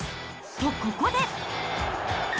と、ここで。